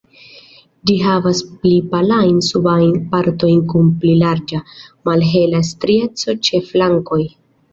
Ĝi havas pli palajn subajn partojn kun pli larĝa, malhela strieco ĉe flankoj.